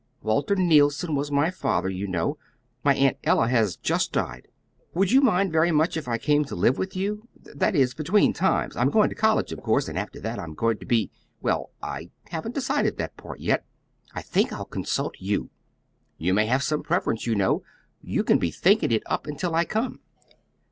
Walter Neilson was my father, you know. My Aunt Ella has just died. "Would you mind very much if I came to live with you? That is, between times I'm going to college, of course, and after that I'm going to be well, I haven't decided that part yet. I think I'll consult you. You may have some preference, you know. You can be thinking it up until I come.